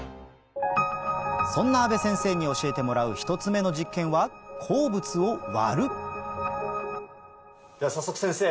そんな阿部先生に教えてもらう１つ目の実験はでは早速先生